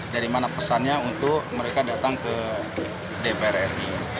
dari mana pesannya untuk mereka datang ke dpr ri